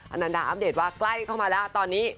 อันนันดาอัปเดตว่าใกล้เข้ามาแล้วตอนนี้